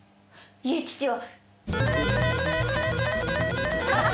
いえ父は。